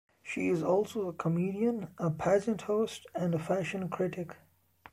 She is also a comedian, a pageant host and a fashion critic.